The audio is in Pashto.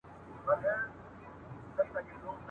په دوی واړو کي چي مشر وو غدار وو !.